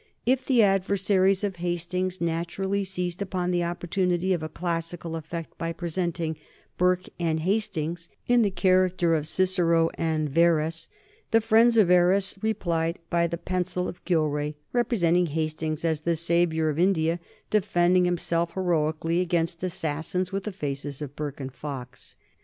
If the adversaries of Hastings naturally seized upon the opportunity of a classical effect by presenting Burke and Hastings in the character of Cicero and Verres, the friends of Verres replied by the pencil of Gillray, representing Hastings as the savior of India defending himself heroically against assassins with the faces of Burke and of Fox.